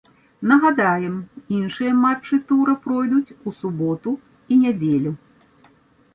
Нагадаем, іншыя матчы тура пройдуць у суботу і нядзелю.